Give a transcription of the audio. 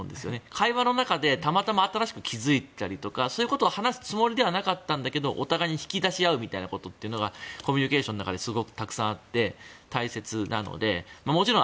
会話の中でたまたま新しく気付いたりとかそういうことを話すつもりではなかったんだけどお互いに引き出し合うみたいなことがコミュニケーションの中ですごくたくさんあって大切なのでもちろん